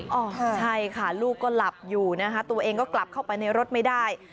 ใช่ค่ะลูกก็หลับอยู่นะคะตัวเองก็กลับเข้าไปในรถไม่ได้